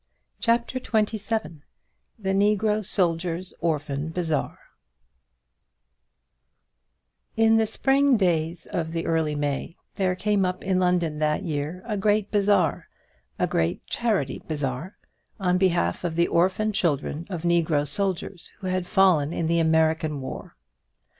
CHAPTER XXVII The Negro Soldiers' Orphan Bazaar In the spring days of the early May there came up in London that year a great bazaar, a great charity bazaar on behalf of the orphan children of negro soldiers who had fallen in the American war.